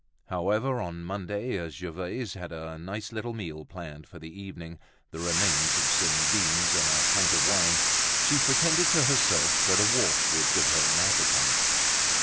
However, on Monday, as Gervaise had a nice little meal planned for the evening, the remains of some beans and a pint of wine, she pretended to herself that a walk would give her an appetite.